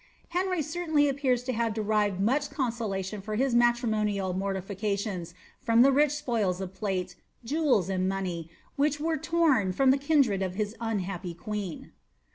Henry certainly appears to have derived much consola tion for his matrimonial mortiiications from the rich spoils of plate, jewels, and money, which were torn from the kindred of his unhappy queen.